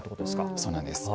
そうなんです。